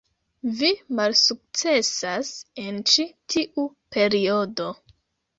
Vi malsukcesas en ĉi tiu periodo